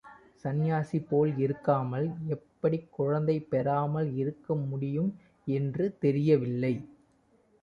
சன்னியாசிபோல் இருக்காமல் எப்படிக்குழந்தை பெறாமல் இருக்க முடியும் என்று தெரியவில்லை.